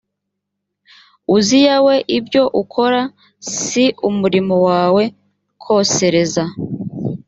uziya we ibyo ukora si umurimo wawe kosereza